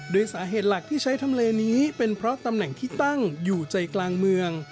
โดยสาเหตุหลักที่ใช้ทำเลนี้เป็นเพราะตำแหน่งที่ตั้งอยู่ใจกลางเมือง